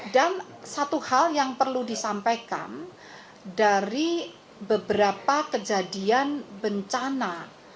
dan satu hal yang perlu disampaikan dari beberapa kejadian bencana